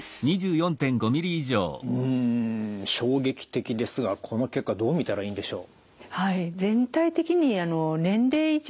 うん衝撃的ですがこの結果どう見たらいいんでしょう？